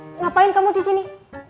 ngapain kamu disini